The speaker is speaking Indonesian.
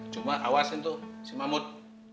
cuma awasin tuh si mahmud